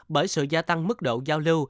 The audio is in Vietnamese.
bởi sự gia tăng mức độ giao lưu